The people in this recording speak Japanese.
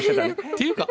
っていうか